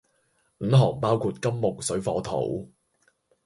五行包括金木水火土